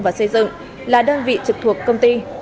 và xây dựng là đơn vị trực thuộc công ty